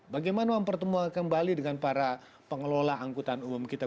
bagaimana mempertemukan kembali dengan para pengelola angkutan umum kita